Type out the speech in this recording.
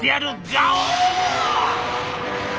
ガオ！」。